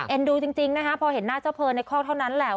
ดูจริงนะคะพอเห็นหน้าเจ้าเพลินในคอกเท่านั้นแหละ